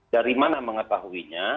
dari mana mengetahuinya